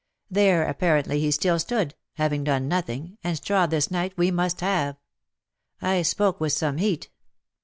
There apparently he still stood — having done nothing, and straw this night we must have. I spoke with some heat.